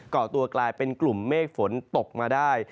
เกาะตัวกลายเป็นกลุ่มเมฆฝนตกมาได้